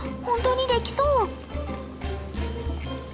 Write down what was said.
本当にできそう！